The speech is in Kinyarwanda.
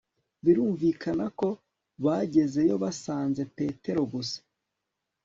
birumvikana ko bagezeyo, basanze petero gusa